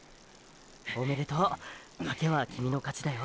おめでとう賭けはキミの勝ちだよ。